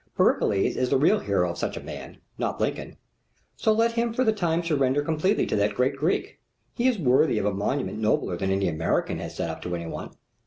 Pericles is the real hero of such a man, not Lincoln. So let him for the time surrender completely to that great Greek. He is worthy of a monument nobler than any America has set up to any one.